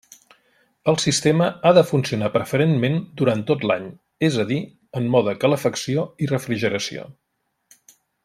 El sistema ha de funcionar preferentment durant tot l'any, és a dir, en mode calefacció i refrigeració.